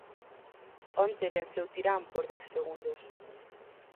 Onte venceu Tirán por dez segundos.